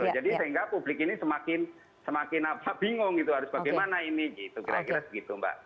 jadi sehingga publik ini semakin bingung gitu harus bagaimana ini gitu kira kira segitu mbak